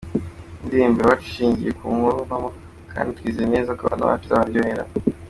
Iyi ndirimbo Iwacu ishingiye ku nkuru mpamo kandi twizeye neza ko abafana bacu izabaryohera”.